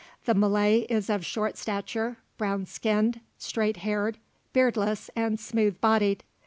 The Malay is of short stature, brown skinned, straight haired, beardless, and smooth bodied.